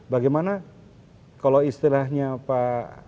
bagaimana kalau istilahnya pak